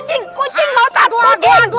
jangan royal tiga puluh mengerimu